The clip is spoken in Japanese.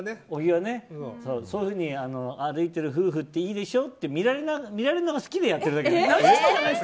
小木はそういうふうに歩いている夫婦っていいでしょって見られるのが好きでやってるだけだから。